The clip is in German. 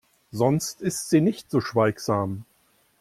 Sonst ist sie nicht so schweigsam.